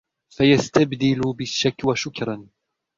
فَيَسْتَبْدِلُ بِالشَّكْوَى شُكْرًا